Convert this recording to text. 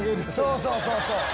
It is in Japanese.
そうそうそうそう。